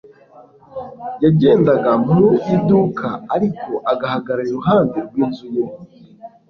Yagendaga mu iduka ariko ahagarara iruhande rwinzu ye